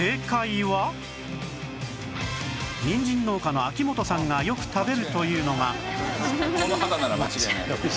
にんじん農家の秋元さんがよく食べるというのが